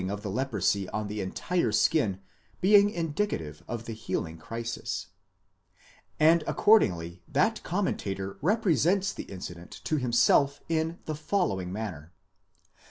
of the leprosy on the entire skin being indicative of the healing crisis) ; and accordingly, that commentator represents the incident to himself in the following manner.